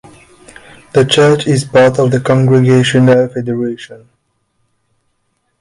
The church is part of the Congregational Federation.